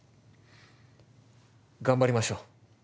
頑張りましょう。